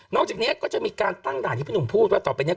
จากนี้ก็จะมีการตั้งด่านที่พี่หนุ่มพูดว่าต่อไปเนี่ย